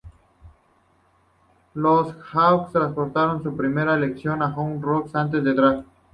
Los Hawks traspasaron su primera elección a Houston Rockets antes del draft.